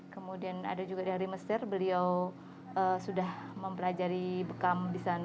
kemudian ada juga dari mesir beliau sudah mempelajari bekam